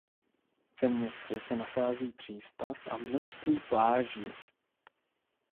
Ve městě se nachází přístav a množství pláží.